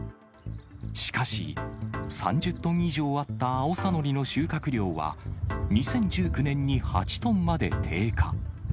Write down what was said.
しかし、３０トン以上あったアオサノリの収穫量は、２０１９年に８トンまで低下。